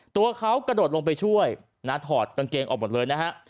ตัวเขากระโดดลงไปช่วยนะถอดกางเกงออกหมดเลยนะฮะ